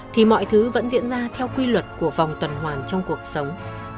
thì mọi thứ vẫn diễn ra theo quy luật của vòng tuần hoàn trong cuộc sống